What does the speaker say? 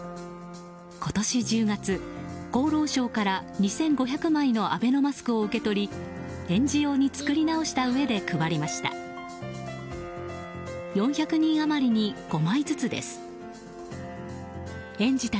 今年１０月厚労省から２５００枚のアベノマスクを受け取り園児用に作り直したうえで配りました。